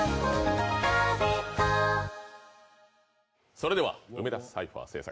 それでは梅田サイファー制作